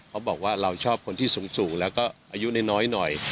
เขาบอกว่าเราชอบคนที่สูงแล้วก็อายุน้อยหน่อย